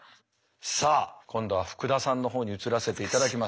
さあ今度は福田さんの方に移らせていただきます。